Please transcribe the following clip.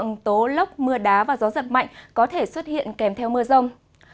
những tượng tố lốc mưa đá và gió giật mạnh có thể xuất hiện kèm theo mưa rông